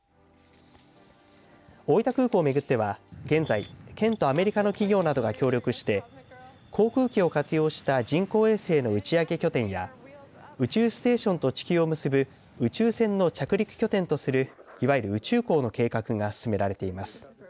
大分空港を巡っては現在県とアメリカの企業などが協力して航空機を活用した人工衛星の打ち上げ拠点や宇宙ステーションと地球を結ぶ宇宙船の着陸拠点とするいわゆる宇宙港の計画が進められています。